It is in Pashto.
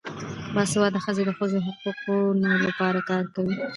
باسواده ښځې د ښځو د حقونو لپاره کار کوي.